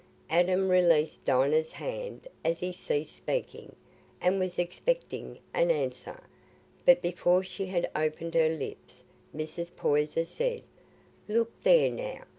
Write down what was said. Adam released Dinah's hand as he ceased speaking, and was expecting an answer, but before she had opened her lips Mrs. Poyser said, "Look there now!